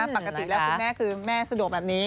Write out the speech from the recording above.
ปกติแล้วคุณแม่คือแม่สะดวกแบบนี้